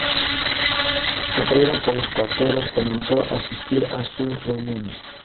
Atraída por los cuáqueros, comenzó a asistir a sus reuniones.